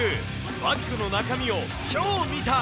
バッグの中身を超見た！